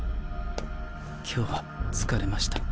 今日は疲れました。